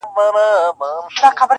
مور یې کړله په یوه ګړي پر بوره -